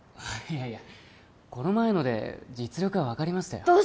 いやいやこの前ので実力は分かりましたよ